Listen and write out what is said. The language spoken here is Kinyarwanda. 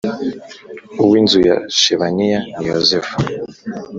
uwinzu ya Shebaniya ni Yozefu